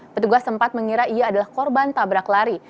petugas sempat mengira ia adalah korban tabrak lari